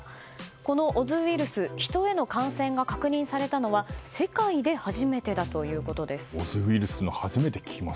このオズウイルスヒトへの感染が確認されたのは世界で初めてだということです。